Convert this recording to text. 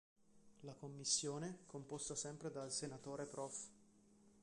La Commissione “composta dal Senatore Prof.